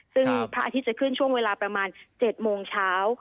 ซึ่งพระอาทิตย์จะขึ้นช่วงเวลาประมาณ๗โมงเช้า